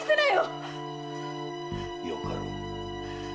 よかろう。